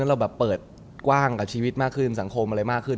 เราแบบเปิดกว้างกับชีวิตมากขึ้นสังคมอะไรมากขึ้น